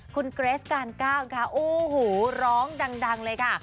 คุณเกรสการก้าวค่ะโอ้โหร้องดังเลยค่ะ